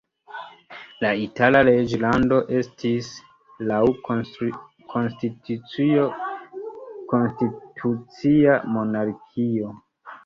La Itala reĝlando estis laŭ konstitucio konstitucia monarkio.